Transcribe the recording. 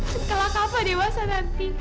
setelah kava dewasa nanti